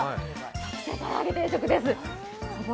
特製から揚げ定食です。